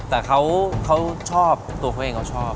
แต่เขาชอบตัวเขาเองเขาชอบ